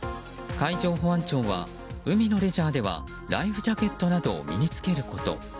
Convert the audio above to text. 海上保安庁は海のレジャーではライフジャケットなどを身に付けること。